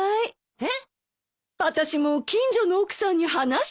えっ！